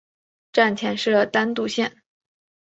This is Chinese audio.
站前设单渡线。